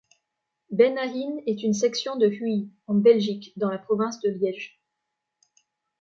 Ben-Ahin est une section de Huy, en Belgique, dans la province de Liège.